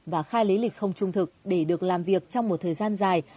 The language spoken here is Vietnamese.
và khai lý lịch không trung thực để được làm việc trong một thời gian dài